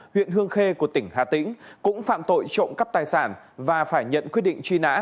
huyện hương khê của tỉnh hà tĩnh cũng phạm tội trộm cắp tài sản và phải nhận quyết định truy nã